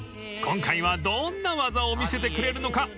［今回はどんな技を見せてくれるのか］